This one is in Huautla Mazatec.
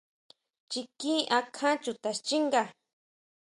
Chiquín akján chuta xchínga.